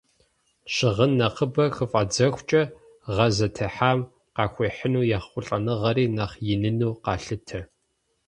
Щыгъын нэхъыбэ хыфӀадзэхукӀэ, гъэ зытехьам къахуихьыну ехъулӀэныгъэри нэхъ иныну къалъытэ.